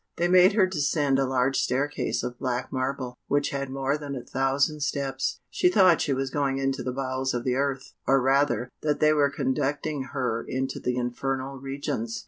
They made her descend a large staircase of black marble, which had more than a thousand steps: she thought she was going into the bowels of the earth, or rather, that they were conducting her into the infernal regions.